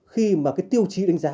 khi mà cái tiêu chí đánh giá